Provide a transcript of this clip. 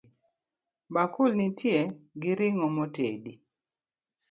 Bakul ni nitie gi ring'o motedi